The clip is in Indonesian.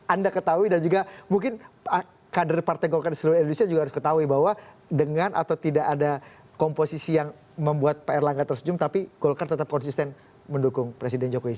anda ketahui dan juga mungkin kader partai golkar di seluruh indonesia juga harus ketahui bahwa dengan atau tidak ada komposisi yang membuat pak erlangga tersenyum tapi golkar tetap konsisten mendukung presiden jokowi